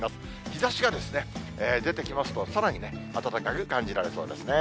日ざしが出てきますとさらに暖かく感じられそうですね。